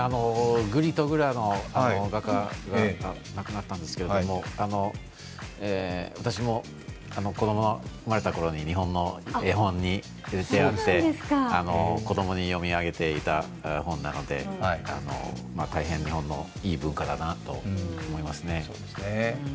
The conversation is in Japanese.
「ぐりとぐら」の画家が亡くなったんですけれども、私も子供、生まれたころに日本の絵本子供に読み上げていた本なので大変、日本のいい文化だなと思いますね。